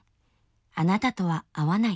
あなたとは合わない」。